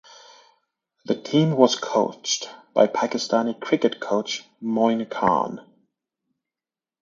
The team was coached by Pakistani cricket coach Moin Khan.